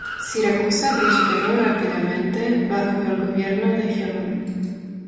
Siracusa prosperó rápidamente bajo el gobierno de Gelón.